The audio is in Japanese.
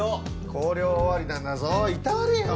校了終わりなんだぞいたわれよ！